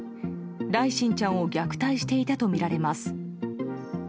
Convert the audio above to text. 來心ちゃんを虐待していたとみられます。